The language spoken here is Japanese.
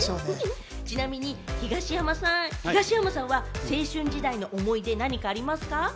ちなみに東山さん、東山さんは青春時代に思い出は何かありますか？